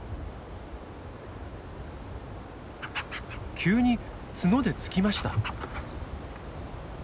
急に角で突きました。